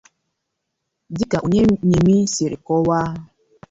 dịka Oyeyemi siri kọwaa